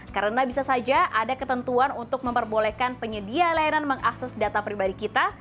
karena bisa saja ada ketentuan untuk memperbolehkan penyedia layanan mengakses data pribadi kita